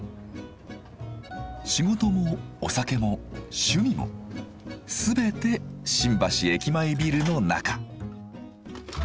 仕事もお酒も趣味も全て新橋駅前ビルの中。